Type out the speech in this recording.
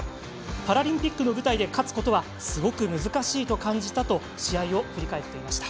パラリンピックの舞台で勝つことはすごく難しいと感じたと試合を振り返っていました。